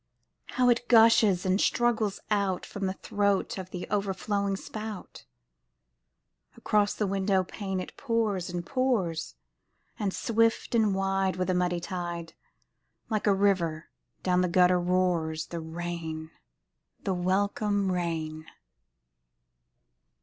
How it gushes and struggles out From the throat of the overflowing spout ! Across the window pane It pours and pours; And swift and wide. With a muddy tide. Like a river down the gutter roars The rain, the welcome rain!